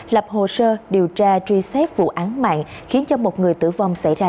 lập hồ sơ điều tra truy xét vụ án mạng khiến cho một người tử vong xảy ra